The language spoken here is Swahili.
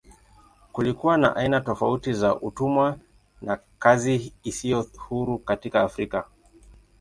Kulikuwa na aina tofauti za utumwa na kazi isiyo huru katika Afrika.